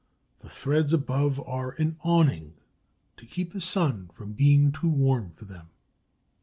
The threads above are an awning, to keep the sun from being too warm for them.